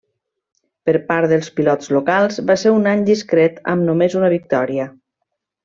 Per part dels pilots locals va ser un any discret amb només una victòria.